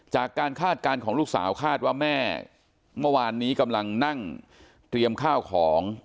คาดการณ์ของลูกสาวคาดว่าแม่เมื่อวานนี้กำลังนั่งเตรียมข้าวของ